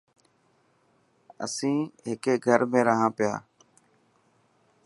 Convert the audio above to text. اسين هڪي گھر ۾ رهنا پيا.